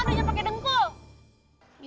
adanya pakai dengkul